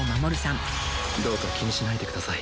「どうか気にしないでください」